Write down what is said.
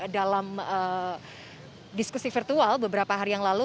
dalam diskusi virtual beberapa hari yang lalu